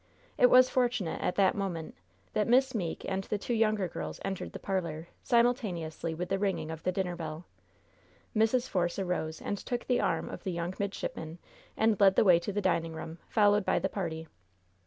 It was fortunate, at that moment, that Miss Meeke and the two younger girls entered the parlor, simultaneously with the ringing of the dinner bell. Mrs. Force arose and took the arm of the young midshipman and led the way to the dining room, followed by the party.